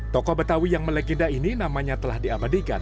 toko betawi yang melegenda ini namanya telah diabadikan